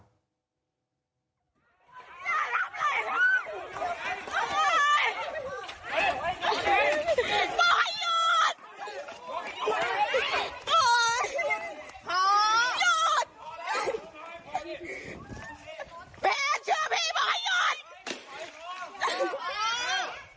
อย่าทำอะไรนะ